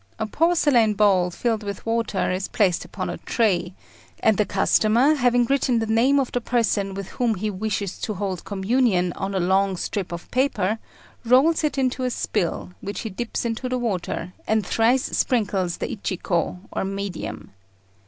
A porcelain bowl filled with water is placed upon a tray, and the customer, having written the name of the person with whom he wishes to hold communion on a long slip of paper, rolls it into a spill, which he dips into the water, and thrice sprinkles the Ichiko, or medium.